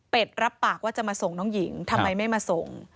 เป็นรับปากว่าจะมาส่งน้องหญิงทำไมไม่มาส่ง